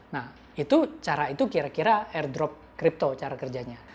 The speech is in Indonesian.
nah itu cara itu kira kira airdrop crypto cara kerjanya